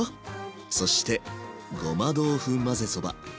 そしてごま豆腐混ぜそば。